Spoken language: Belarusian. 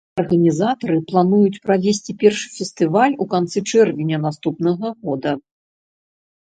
Арганізатары плануюць правесці першы фестываль у канцы чэрвеня наступнага года.